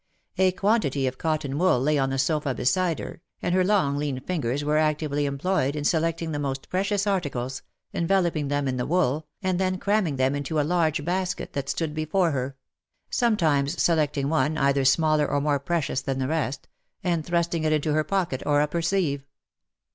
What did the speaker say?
A quantity of cotton wool lay on the sofa beside her, and her long lean fingers were actively employed in selecting the most precious articles, enveloping them in the wool, and then cramming them into a large basket that stood before her, — sometimes selecting one, either smaller or more precious than the rest, and thrusting it into her pocket or up her sleeve.